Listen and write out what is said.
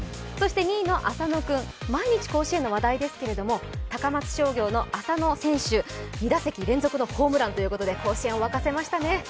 ２位の浅野君、毎日甲子園の話題ですけれども、高松商業の浅野選手、２打席連続のホームランということで甲子園を沸かせましたね。